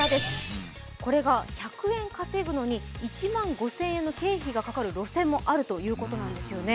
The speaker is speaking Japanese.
１００円稼ぐのに１万５０００円かかる路線もあるということなんですね。